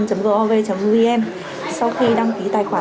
nhập lý do yêu cầu vào đây ạ